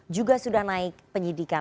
juga sudah naik penyidikan